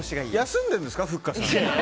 休んでるんですか、ふっかさん。